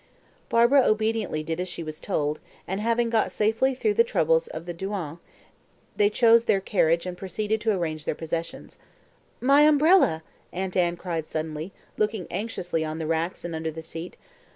Barbara obediently did as she was told, and having got safely through the troubles of the douane, they chose their carriage and proceeded to arrange their possessions. "My umbrella!" Aunt Anne cried suddenly, looking anxiously on the racks and under the seat.